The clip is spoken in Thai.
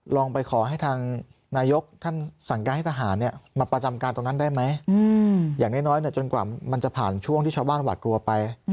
ลองไปขอให้ทางนายกท่านสั่งการให้ทหารมาประจำการตรงนั้นได้ไหมอย่างน้อยจนกว่ามันจะผ่านช่วงที่ชาวบ้านหวาดกลัวไป